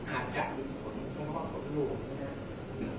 อาจจะมีขนเพราะว่าขนลูกนะครับ